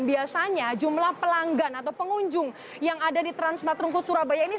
biasanya jumlah pelanggan atau pengunjung yang ada di transmat rungkut surabaya ini